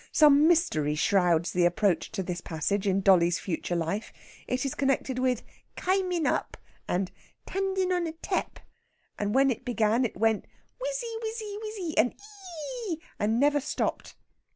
Some mystery shrouds the approach to this passage in dolly's future life. It is connected with "kymin up," and "tandin' on a tep," and when it began it went wizzy, wizzy, wizz, and e e e e, and never stopped.